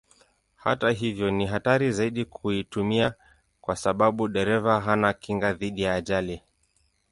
Hata hivyo ni hatari zaidi kuitumia kwa sababu dereva hana kinga dhidi ya ajali.